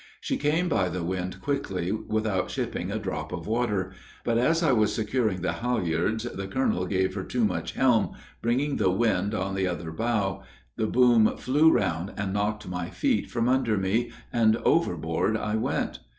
She came by the wind quickly without shipping a drop of water, but as I was securing the halyards the colonel gave her too much helm, bringing the wind on the other bow, the boom flew round and knocked my feet from under me, and overboard I went.